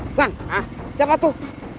eh bang siapa tuh